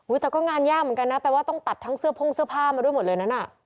แต่ก็งานยากเหมือนกันนะแปลว่าต้องตัดทั้งเสื้อโพ่งเสื้อผ้ามาด้วยหมดเลยนั้นน่ะ